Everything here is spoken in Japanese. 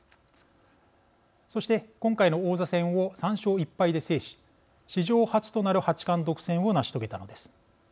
そして今回の王座戦を３勝１敗で制し史上初となる八冠独占を成し遂げたのです。